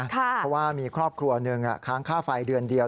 เพราะว่ามีครอบครัวหนึ่งค้างค่าไฟเดือนเดียว